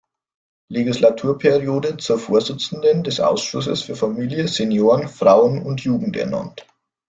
Legislaturperiode zur Vorsitzenden des Ausschusses für Familie, Senioren, Frauen und Jugend ernannt.